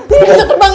ini bisa terbang